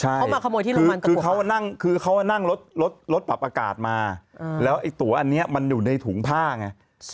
ใช่คือเค้าว่านั่งลดปรับอากาศมาแล้วตั๋วอันนี้มันอยู่ในถุงผ้าไง